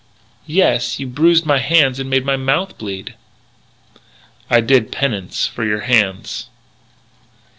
"Yes. You bruised my hands and made my mouth bleed." "I did penance for your hands."